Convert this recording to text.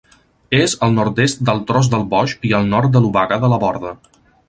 És al nord-est del Tros del Boix i al nord de l'Obaga de la Borda.